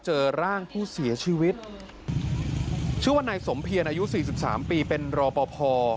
เจอร่างผู้เสียชีวิตชื่อว่านายสมเพียรอายุสี่สิบสามปีเป็นรอปภ